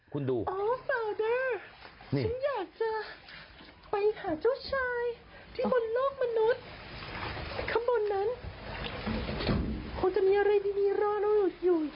คุณดูนี่อ๋อพ่อเดอร์ฉันอยากจะไปหาเจ้าชายที่บนโลกมนุษย์